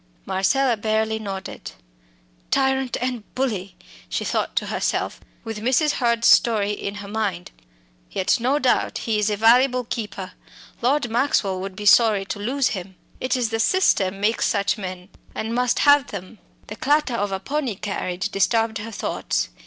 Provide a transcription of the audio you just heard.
Marcella barely nodded. "Tyrant and bully!" she thought to herself with Mrs. Hurd's story in her mind. "Yet no doubt he is a valuable keeper; Lord Maxwell would be sorry to lose him! It is the system makes such men and must have them." The clatter of a pony carriage disturbed her thoughts.